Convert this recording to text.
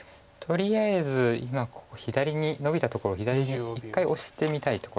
とりあえず今ノビたところ左に一回オシてみたいところです。